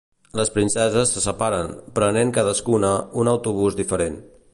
Les princeses se separen, prenent cadascuna un autobús diferent.